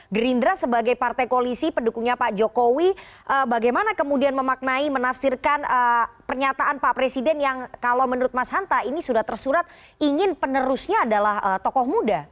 gerindra sebagai partai koalisi pendukungnya pak jokowi bagaimana kemudian memaknai menafsirkan pernyataan pak presiden yang kalau menurut mas hanta ini sudah tersurat ingin penerusnya adalah tokoh muda